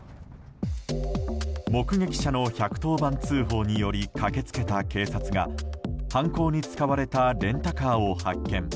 目撃者の１１０番通報により駆け付けた警察が犯行に使われたレンタカーを発見。